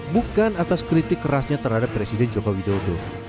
bukan atas kritik kerasnya terhadap presiden joko widodo